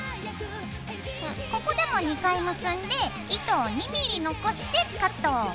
ここでも２回結んで糸を２ｍｍ残してカット。